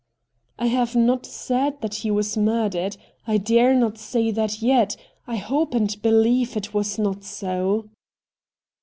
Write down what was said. * I have not said that he was murdered — I dare not say that yet — I hope and believe it was not so.'